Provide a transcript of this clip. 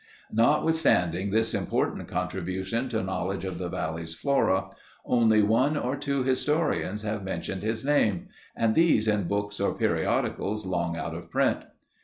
Notwithstanding this important contribution to knowledge of the valley's flora, only one or two historians have mentioned his name, and these in books or periodicals long out of print.